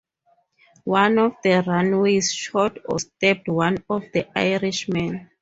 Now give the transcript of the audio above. One of the runaways shot or stabbed one of the Irishmen.